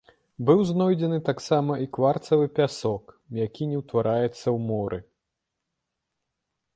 Быў знойдзены таксама і кварцавы пясок, які не ўтвараецца ў моры.